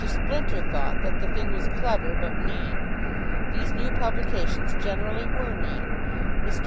Splinter thought that the thing was clever but mean. These new publications generally were mean. Mr.